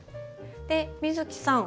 で美月さん